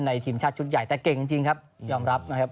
ทีมชาติชุดใหญ่แต่เก่งจริงครับยอมรับนะครับ